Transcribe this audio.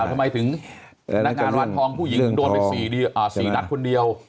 ทำไมถึงพนักงานร้านทองผู้หญิงถึงโดนไป๔นัดคนเดียว